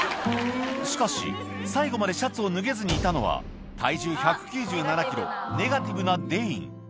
しかし、最後までシャツを脱げずにいたのは、体重１９７キロ、ネガティブなデイン。